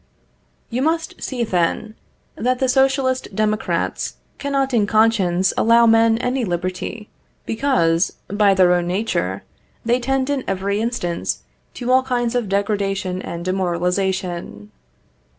You must see, then, that the socialist democrats cannot in conscience allow men any liberty, because, by their own nature, they tend in every instance to all kinds of degradation and demoralisation.